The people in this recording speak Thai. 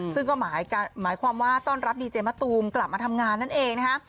ซึ่งก็หมายความว่าต้อนรับดีเจมะตูมกลับมาทำงานนั่นเองนะคะ